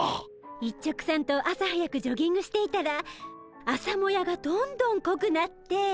一直さんと朝早くジョギングしていたら朝もやがどんどんこくなって。